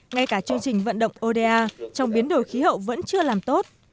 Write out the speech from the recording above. ngay cả chương trình vận động oda trong biến đổi khí hậu vẫn chưa làm tốt